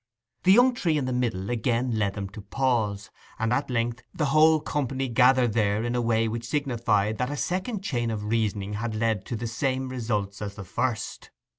The young tree in the middle again led them to pause, and at length the whole company gathered there in a way which signified that a second chain of reasoning had led to the same results as the first.